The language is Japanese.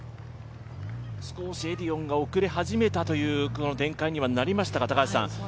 少しエディオンが遅れ始めたという展開にはなりましたが。